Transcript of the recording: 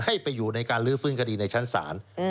ให้ไปอยู่ในการลื้อฟื้นคดีในชั้นศาล